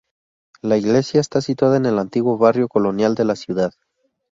La iglesia está situada en el antiguo barrio colonial de la ciudad.